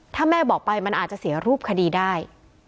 ถ้าแม่บอกไปมันอาจจะเสียรูปคดีได้